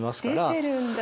出てるんだ。